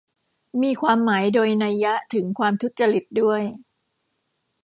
มีความหมายโดยนัยถึงความทุจริตด้วย